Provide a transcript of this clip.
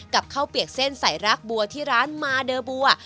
กับข้าวเปียกเส้นใส่รากบัวที่ร้านมาเดอร์บัว